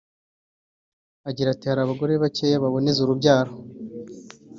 Agira ati “Hari abagore bakeya baboneza urubyaro